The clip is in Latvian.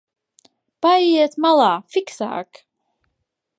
Paejiet malā, fiksāk!